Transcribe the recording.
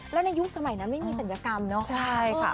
แล้วในยุคสมัยนั้นไม่มีศัลยกรรมเนาะใช่ค่ะ